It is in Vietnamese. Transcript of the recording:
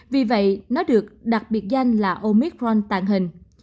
vì vậy nó được đặc biệt danh là omicron tạng hình